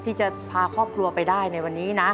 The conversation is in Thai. ที่จะพาครอบครัวไปได้ในวันนี้นะ